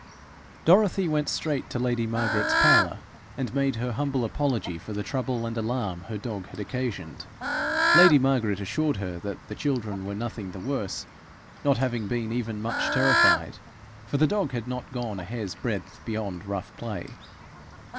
Dorothy went straight to lady Margaret's parlour, and made her humble apology for the trouble and alarm her dog had occasioned. Lady Margaret assured her that the children were nothing the worse, not having been even much terrified, for the dog had not gone a hair's breadth beyond rough play.